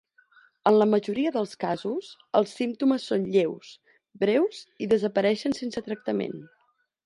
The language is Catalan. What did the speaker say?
En la majoria dels casos els símptomes són lleus, breus i desapareixen sense tractament.